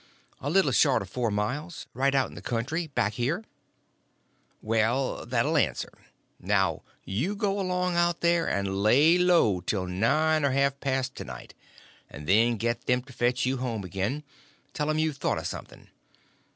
"A little short of four miles—right out in the country, back here." "Well, that 'll answer. Now you go along out there, and lay low till nine or half past to night, and then get them to fetch you home again—tell them you've thought of something.